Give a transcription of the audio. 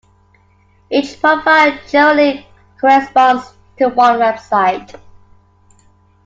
Each profile generally corresponds to one website.